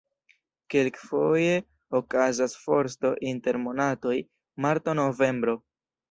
Kelkfoje okazas forsto inter monatoj marto-novembro.